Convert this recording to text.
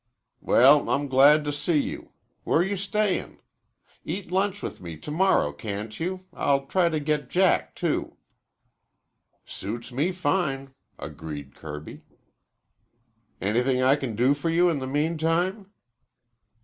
"Well, I'm glad to see you. Where you staying? Eat lunch with me to morrow, can't you? I'll try to get Jack too." "Suits me fine," agreed Kirby. "Anything I can do for you in the meantime?"